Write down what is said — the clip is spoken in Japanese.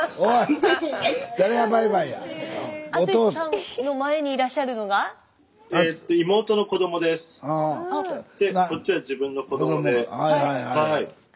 はいはいはい。